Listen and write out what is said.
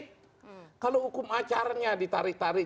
kalau hukum acaranya ditarik tarik